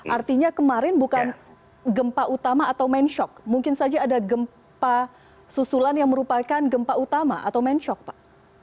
artinya kemarin bukan gempa utama atau mensyok mungkin saja ada gempa susulan yang merupakan gempa utama atau mensyok pak